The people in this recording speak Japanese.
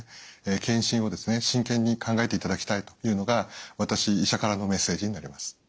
検診を真剣に考えていただきたいというのが私医者からのメッセージになります。